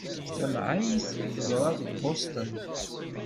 Tamεayt teḍra deg Boston.